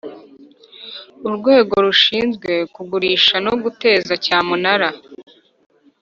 Urwego rushinzwe kugurisha no guteza cyamunara